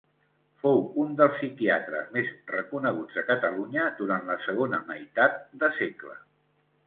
Fou un dels psiquiatres més reconeguts de Catalunya durant la segona meitat de segle.